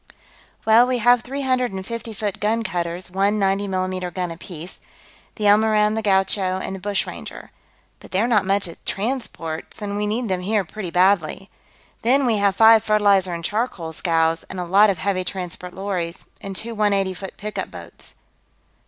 "Well, we have three hundred and fifty foot gun cutters, one 90 mm gun apiece. The Elmoran, the Gaucho, and the Bushranger. But they're not much as transports, and we need them here pretty badly. Then, we have five fertilizer and charcoal scows, and a lot of heavy transport lorries, and two one eighty foot pickup boats."